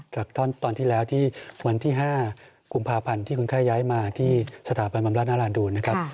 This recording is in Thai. ตอนที่แล้วที่วันที่๕กุมภาพันธ์ที่คนไข้ย้ายมาที่สถาบันบำราชนาราดูนนะครับ